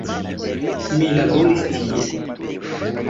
Mi laboris tie.